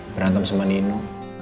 berantem sama nino